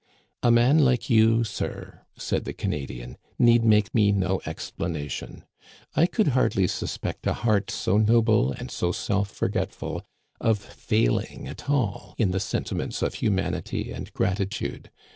A man like you, sir," said the Canadian, " need make me no explanation. I could hardly suspect a heart so noble and so self forgetftil of failing at all in the sentiments of humanity and gratitude.